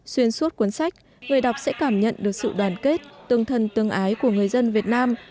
xuyên suốt cuốn sách người đọc sẽ cảm nhận được sự đoàn kết tương thân tương ái của người dân việt nam